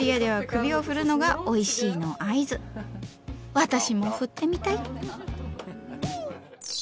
私も振ってみたい！